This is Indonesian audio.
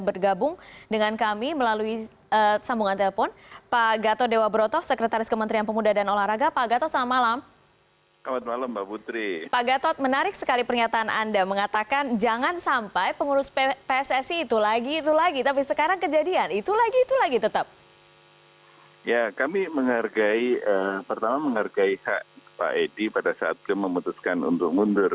ya kami menghargai pertama menghargai hak pak edi pada saat dia memutuskan untuk mundur